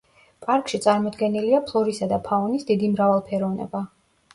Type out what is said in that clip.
პარკში წარმოდგენილია ფლორისა და ფაუნის დიდი მრავალფეროვნება.